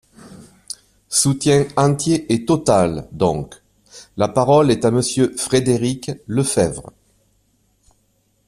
Soutien entier et total, donc ! La parole est à Monsieur Frédéric Lefebvre.